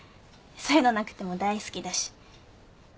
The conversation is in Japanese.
そういうのなくても大好きだし。